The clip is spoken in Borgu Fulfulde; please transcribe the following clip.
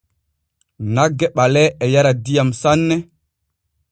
Nagge ɓalee e yara diyam sanne.